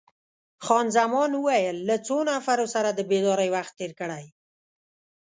خان زمان وویل: له څو نفرو سره د بېدارۍ وخت تیر کړی؟